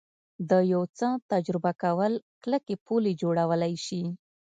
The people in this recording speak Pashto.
د یو څه تجربه کول کلکې پولې جوړولی شي